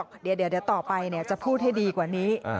เขาน่าจะพูดดีกว่านี้